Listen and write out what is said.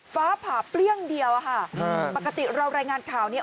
ฟ้าผ่าเปรี้ยงเดียวอะค่ะปกติเรารายงานข่าวเนี่ย